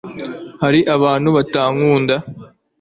hariho abantu batankunda